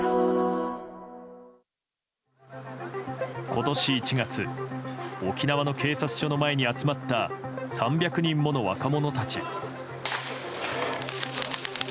今年１月沖縄の警察署の前に集まった３００人もの若者たち。